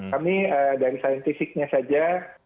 kami dari sainsisiknya saja